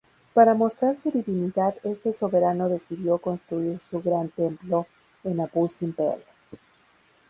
Para mostrar su divinidad este soberano decidió construir su gran templo en Abu Simbel.